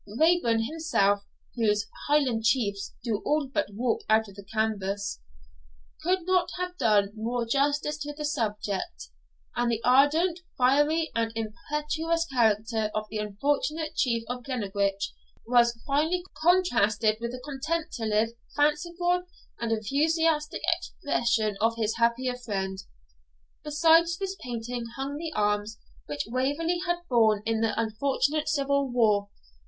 Raeburn himself (whose 'Highland Chiefs' do all but walk out of the canvas) could not have done more justice to the subject; and the ardent, fiery, and impetuous character of the unfortunate Chief of Glennaquoich was finely contrasted with the contemplative, fanciful, and enthusiastic expression of his happier friend. Beside this painting hung the arms which Waverley had borne in the unfortunate civil war.